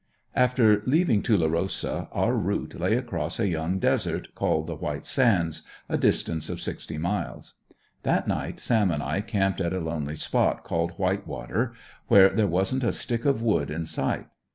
After leaving Tulerosa our route lay across a young desert, called the "White Sands," a distance of sixty miles. That night Sam and I camped at a lonely spot called "White Water," where there wasn't a stick of wood in sight.